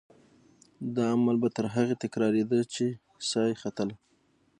دا عمل به تر هغې تکرارېده چې سا یې ختله.